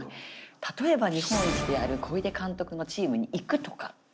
例えば日本一である小出監督のチームに行くとか。